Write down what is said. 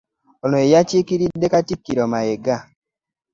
Ono ye yakiikiridde katikkiro Mayiga